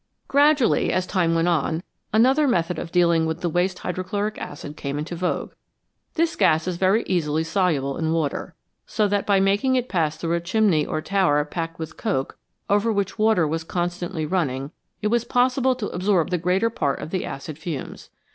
Gradually, as time went on, another method of dealing with the waste hydrochloric acid came into vogue. This gas is very easily soluble in water, so that by making it pass through a chimney or tower packed with coke over which water was constantly running, it was possible to absorb the greater part of the acid fumes.